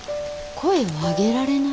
声をあげられない。